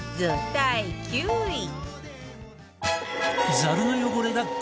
第９位